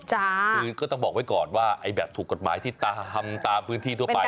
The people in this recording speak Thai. คือก็ต้องบอกไว้ก่อนว่าไอ้แบบถูกกฎหมายที่ทำตามพื้นที่ทั่วไป